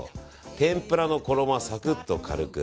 天ぷらの衣はサクッと軽く。